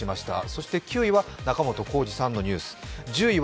そして９位は仲本工事さんのニュース。